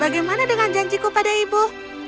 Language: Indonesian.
bagaimana dengan janjiku pada ibu